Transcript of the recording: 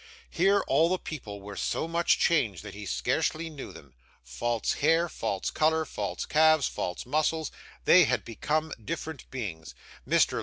Here all the people were so much changed, that he scarcely knew them. False hair, false colour, false calves, false muscles they had become different beings. Mr.